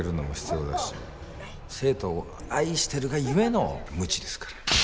生徒を愛してるがゆえのムチですから。